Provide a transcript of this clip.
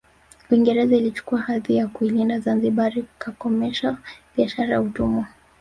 Uingereza ilichukua hadhi ya kuilinda Zanzibari kakomesha biashara ya utumwa